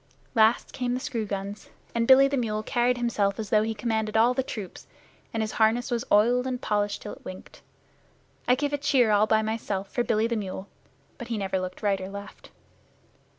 Last came the screw guns, and Billy the mule carried himself as though he commanded all the troops, and his harness was oiled and polished till it winked. I gave a cheer all by myself for Billy the mule, but he never looked right or left.